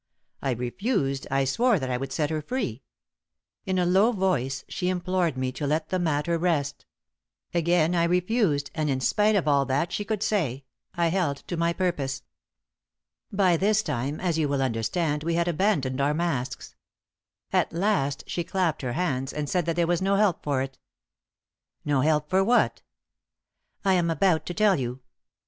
I refused I swore that I would set her free. In a low voice she implored me to let the matter rest; again I refused, and in spite of all that she could say, I held to my purpose. By this time, as you will understand, we had abandoned our masks. At last she clapped her hands, and said that there was no help for it." "No help for what?" "I am about to tell you.